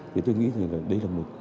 thì tôi nghĩ là đấy là một